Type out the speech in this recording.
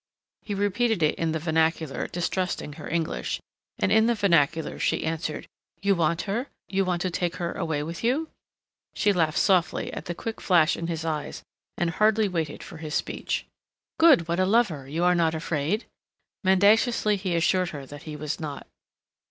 He repeated it in the vernacular, distrusting her English, and in the vernacular she answered, "You want her? You want to take her away with you?" She laughed softly at the quick flash in his eyes and hardly waited for his speech. "Good what a lover! You are not afraid?" Mendaciously he assured her that he was not.